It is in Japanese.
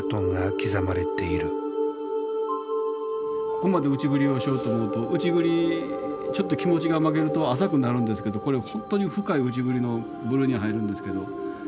ここまで内刳りをしようと思うと内刳りちょっと気持ちが負けると浅くなるんですけどこれほんとに深い内刳りの部類に入るんですけど。